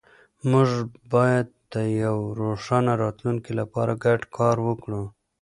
موږ باید د یو روښانه راتلونکي لپاره ګډ کار وکړو.